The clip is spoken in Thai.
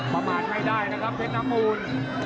ประมาณไม่ได้นะครับเพชรน้ำมูล